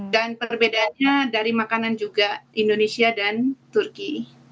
dan perbedaannya dari makanan juga indonesia dan turki